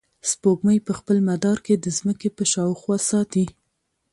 سپوږمۍ په خپل مدار کې د ځمکې په شاوخوا ساتي.